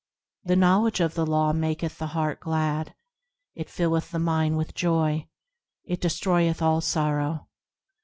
The knowledge of the Law maketh the heart glad, It filleth the mind with joy, It destroyeth all sorrow.